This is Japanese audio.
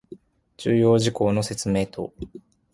重要事項の説明等